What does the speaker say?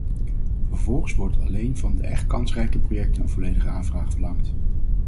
Vervolgens wordt alleen van de echt kansrijke projecten een volledige aanvraag verlangd.